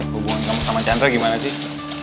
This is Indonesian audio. hubungan kamu sama chandra gimana sih